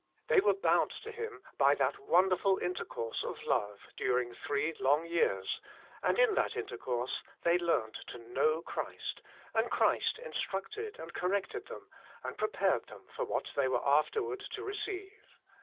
They were bound to Him by that wonderful intercourse of love during three long years, and in that intercourse they learned to know Christ, and Christ instructed and corrected them, and prepared them for what they were af t efward to receive.